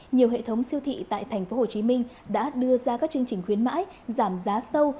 nhiều hệ thống siêu thị tại tp hcm đã đưa ra các chương trình khuyến mãi giảm giá sâu